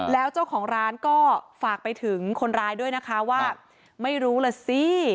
แล้วเจ้าของร้านก็ฝากไปถึงคนร้ายด้วยนะคะว่าไม่รู้ล่ะสิ